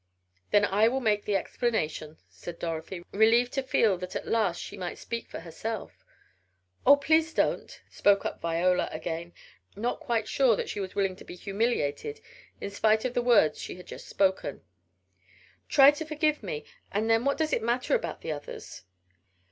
"Then I will make the explanation," said Dorothy, relieved to feel that at last she might speak for herself. "Oh, please don't," spoke up Viola again, not quite sure that she was willing to be humiliated in spite of the words she had just spoken. "Try to forgive me, and then what does it matter about the others?"